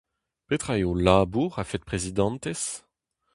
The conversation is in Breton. Petra eo ho labour a-fet prezidantez ?